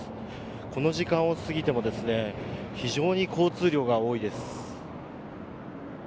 この時間を過ぎても非常に交通量が多いです。